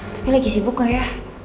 tapi lagi sibuk kok ya